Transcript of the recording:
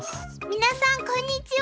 皆さんこんにちは。